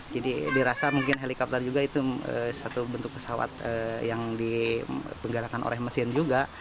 jadi dirasa mungkin helikopter juga itu satu bentuk pesawat yang dipenggarakan oleh mesin juga